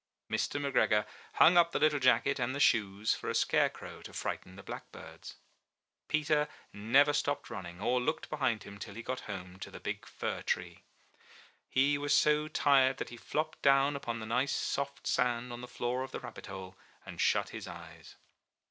Mr. McGregor hung up the little jacket and the shoes for a scarecrow to frighten the blackbirds. Peter never stopped running or looked behind him till he got home to the big fir tree. He was so tired that he flopped down upon the nice soft sand on the floor of the rabbit hole, and shut his eyes.